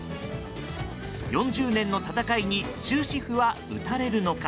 ４０年の戦いに終止符は打たれるのか？